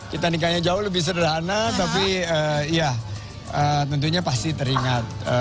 kita nikahnya jauh lebih sederhana tapi ya tentunya pasti teringat